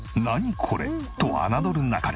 これ」と侮るなかれ。